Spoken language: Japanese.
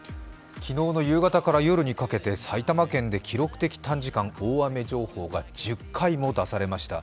昨日の夕方から夜にかけて、埼玉県で記録的短時間大雨情報が１０回も出されました。